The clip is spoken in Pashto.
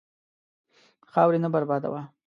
خاورې نه بربادوه.